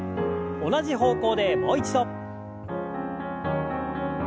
同じ方向でもう一度。